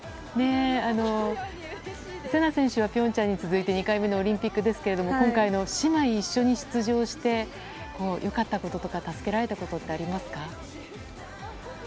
せな選手は平昌に続いて２回目のオリンピックですが今回の姉妹一緒に出場して良かったこととか助けられたことってありますか？